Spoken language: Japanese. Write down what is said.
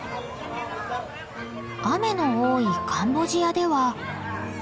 雨の多いカンボジアでは。